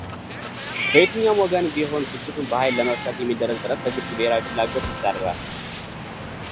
በየትኛውም ወገን ቢሆን ግጭቱን በኃይል ለመፍታት የሚደረግ ጥረት ከግብጽ ብሔራዊ ፍላጎት ይጻረራል።